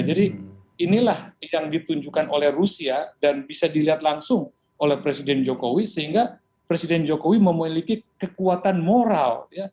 jadi inilah yang ditunjukkan oleh rusia dan bisa dilihat langsung oleh presiden jokowi sehingga presiden jokowi memiliki kekuatan moral